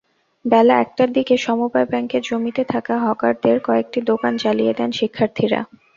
বেলা একটার দিকে সমবায় ব্যাংকের জমিতে থাকা হকারদের কয়েকটি দোকান জ্বালিয়ে দেন শিক্ষার্থীরা।